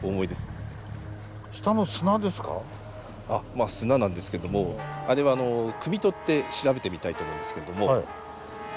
まあ砂なんですけどもくみ取って調べてみたいと思うんですけれども。